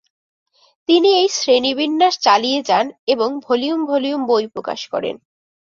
তিনি এই শ্রেণীবিন্যাস চালিয়ে যান এবং ভলিউম ভলিউম বই প্রকাশ করেন।